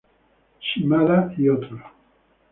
Shimada "et al.